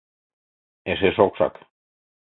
— Эше шокшак.